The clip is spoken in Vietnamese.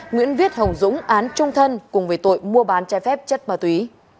nguyễn viết hồng dũng án trung thân cùng với tội mua bán trái phép chất ma túy